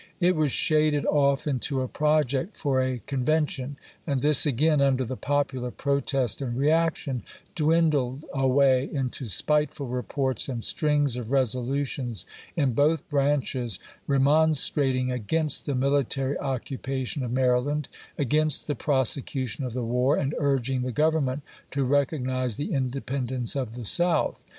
It was shaded off into a project for a conven tion, and this again, under the popular protest and reaction, dwindled away into spiteful reports and strings of resolutions in both branches, remonstrat ing against the military occupation of Maryland, against the prosecution of the war, and urging the Grovernment to recognize the independence of the South.